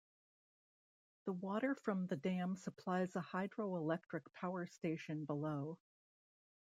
The water from the dam supplies a hydroelectric power station below.